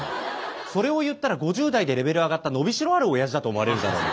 それを言ったら５０代でレベル上がった伸びしろあるおやじだと思われるじゃないの。